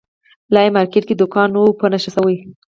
لا یې مارکېټ کې دوکان نه وو په نښه شوی.